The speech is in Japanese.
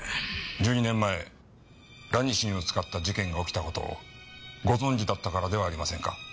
１２年前ラニシンを使った事件が起きた事をご存じだったからではありませんか？